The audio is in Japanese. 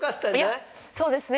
いやそうですね。